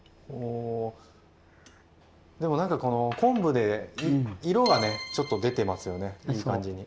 でもなんかこの昆布で色がねちょっと出てますよねいい感じに。